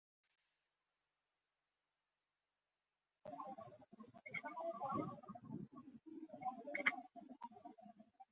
শান্তিপূর্ণ সমাবেশের স্বাধীনতা রক্ষা করতে হবে।